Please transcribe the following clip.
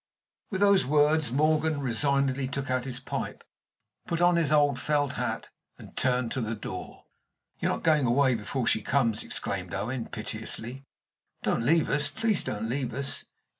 With those words Morgan resignedly took out his pipe, put on his old felt hat and turned to the door. "You're not going away before she comes?" exclaimed Owen, piteously. "Don't leave us please don't leave us!"